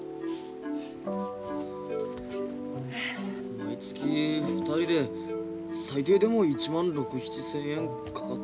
毎月２人で最低でも１万６，０００７，０００円かかっとるのか。